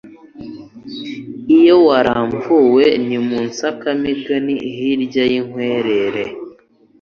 Iyo waramvuwe ni mu nsakazamigina hirya y'inkwerere.